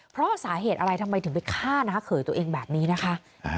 เพราะสาเหตุอะไรทำไมถึงไปฆ่าน้าเขยตัวเองแบบนี้นะคะ